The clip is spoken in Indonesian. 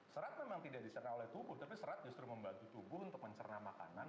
serat memang tidak diserna oleh tubuh tapi serat justru membantu tubuh untuk mencerna makanan